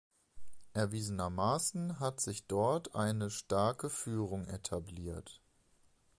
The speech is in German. Erwiesenermaßen hat sich dort eine starke Führung etabliert.